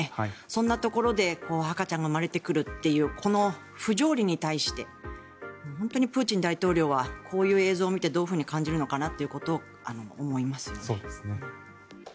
そんなところで赤ちゃんが生まれてくるという不条理に対して本当にプーチン大統領はこういう映像を見てどういうふうに感じるかということを思います。